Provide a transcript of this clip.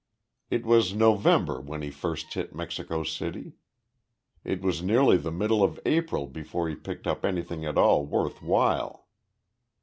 It was November when he first hit Mexico City. It was nearly the middle of April before he picked up anything at all worth while.